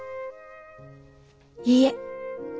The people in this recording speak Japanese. いいえ。